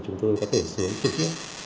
chúng tôi có thể xuống trực tiếp